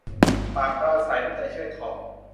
ปากปราศรัยน้ำใจเชือดคอ